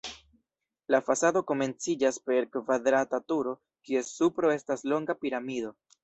La fasado komenciĝas per kvadrata turo, kies supro estas longa piramido.